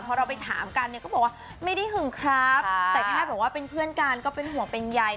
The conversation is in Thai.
พอเราไปถามกันเนี่ยก็บอกว่าไม่ได้หึงครับแต่แค่บอกว่าเป็นเพื่อนกันก็เป็นห่วงเป็นใย